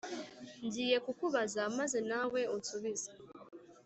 Ngiye kukubaza maze nawe unsubize